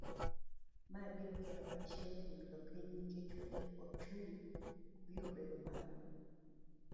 Mae biro kelo achiel, kuom jopiny nikech weche uchumi ok biro bedo malo.